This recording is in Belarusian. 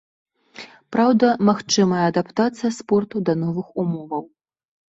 Праўда, магчымая адаптацыя спорту да новых умоваў.